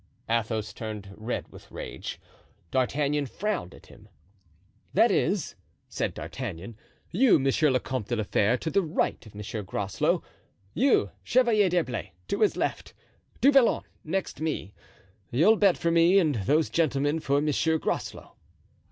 Athos turned red with rage. D'Artagnan frowned at him. "That's it," said D'Artagnan; "you, Monsieur le Comte de la Fere, to the right of Monsieur Groslow. You, Chevalier d'Herblay, to his left. Du Vallon next me. You'll bet for me and those gentlemen for Monsieur Groslow."